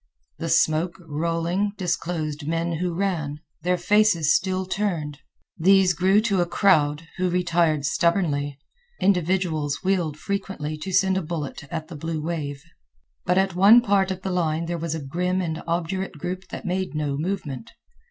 The smoke, rolling, disclosed men who ran, their faces still turned. These grew to a crowd, who retired stubbornly. Individuals wheeled frequently to send a bullet at the blue wave. But at one part of the line there was a grim and obdurate group that made no movement.